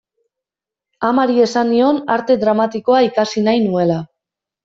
Amari esan nion Arte Dramatikoa ikasi nahi nuela.